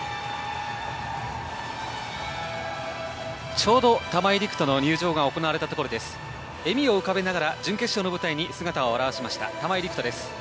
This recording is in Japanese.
ちょうど玉井陸斗の入場が行われたところで笑みを浮かべながら準決勝の舞台に姿を現しました、玉井陸斗です。